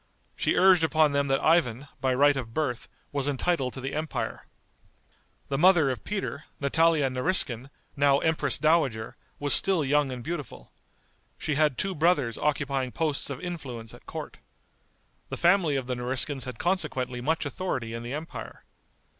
She urged upon them that Ivan, by right of birth, was entitled to the empire. The mother of Peter, Natalia Nariskin, now empress dowager, was still young and beautiful. She had two brothers occupying posts of influence at court. The family of the Nariskins had consequently much authority in the empire.